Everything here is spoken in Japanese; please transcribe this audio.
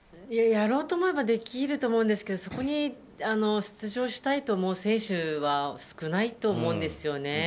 やろうと思えばできると思いますけどそこに出場したいと思う選手は少ないと思うんですよね。